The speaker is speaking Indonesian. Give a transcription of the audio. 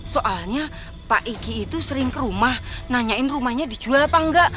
soalnya pak egy itu sering ke rumah nanyain rumahnya dijual apa enggak